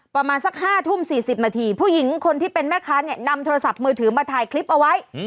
ประมาณสัก๕ทุ่ม๔๐นาทีผู้หญิงคนที่เป็นแม่ค้าเนี่ยนำโทรศัพท์มือถือมาถ่ายคลิปเอาไว้